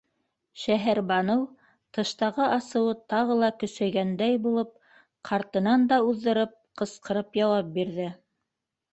Шәһәрбаныу, тыштағы асыуы тағы ла көсәйгәндәй булып, ҡартынан да уҙҙырып ҡысҡырып яуап бирҙе: